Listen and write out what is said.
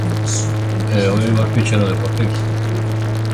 E o Eibar ficha no Deportivo.